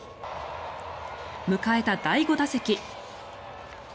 迎えた第５打席。